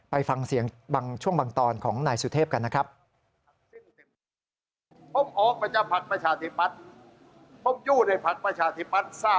ไปฟังเสียงช่วงบางตอนของนายสุทธิพธิ์กันนะครับ